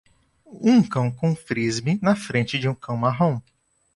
Um cão com um Frisbee na frente de um cão marrom.